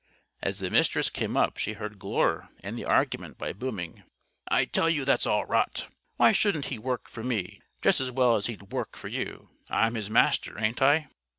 As the Mistress came up she heard Glure end the argument by booming: "I tell you that's all rot. Why shouldn't he 'work' for me just as well as he'd 'work' for you? I'm his Master, ain't I?"